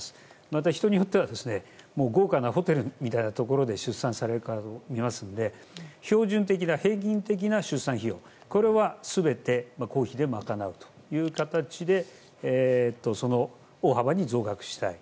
また、人によっては豪華なホテルみたいなところで出産される方も見ますので標準的な平均的な出産費用これは全て公費で賄うという形で大幅に増額したい。